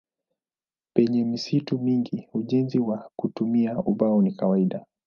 Penye misitu mingi ujenzi kwa kutumia ubao ni kawaida.